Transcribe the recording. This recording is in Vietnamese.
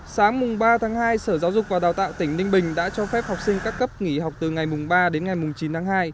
sáng ba tháng hai sở giáo dục và đào tạo tỉnh ninh bình đã cho phép học sinh các cấp nghỉ học từ ngày mùng ba đến ngày chín tháng hai